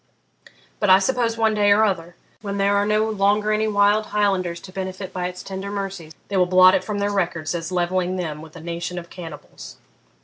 But I suppose one day or other when there are no longer any wild Highlanders to benefit by its tender mercies they will blot it from their records as levelling them with a nation of cannibals.